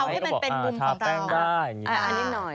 เอาให้เป็นมุมของเราทาแป้งได้นิดหน่อยนิดนิดนิด